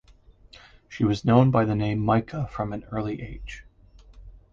She was known by the name Mica from an early age.